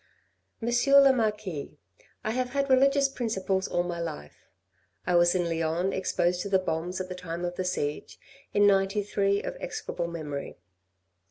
" Monsieur le Marquis, I have had religious principles all my life. I was in Lyons exposed to the bombs at the time of the siege, in '93 of execrable memory.